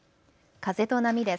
風と波です。